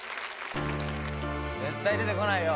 絶対出てこないよ